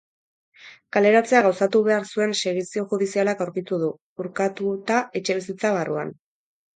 Kaleratzea gauzatu behar zuen segizio judizialak aurkitu du, urkatuta, etxebizitza barruan.